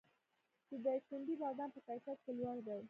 د دایکنډي بادام په کیفیت کې لوړ دي